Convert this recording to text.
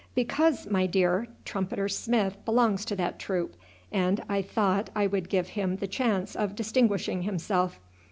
"Because, my dear, Trumpeter Smith belongs to that troop, and I thought I would give him the chance of distinguishing himself.